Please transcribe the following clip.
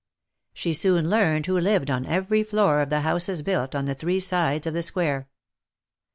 She soon learned who lived on every floor of the houses built on the three sides of the Square.